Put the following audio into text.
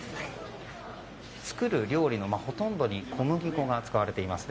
作る料理のほとんどに小麦粉が使われています。